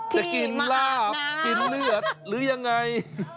จะกินลาบกินเลือดหรือยังไง